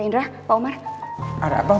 indra omar ada apa